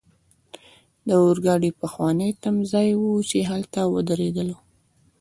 د اورګاډي پخوانی تمځای وو، چې هلته ودریدلو.